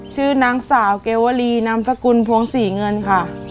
ชื่อนางสาวเกวรีนามสกุลพวงศรีเงินค่ะ